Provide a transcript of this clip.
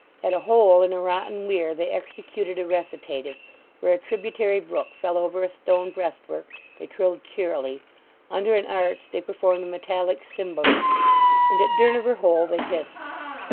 At a hole in a rotten weir they executed a recitative; where a tributary brook fell over a stone breastwork they trilled cheerily; under an arch they performed a metallic cymballing, and at Durnover Hole they hissed.